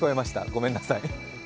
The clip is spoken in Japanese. ごめんなさい。